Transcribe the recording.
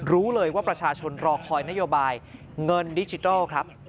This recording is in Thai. รู้เลยว่าประชาชนรอคอยนโยบายเงินดิจิทัลครับ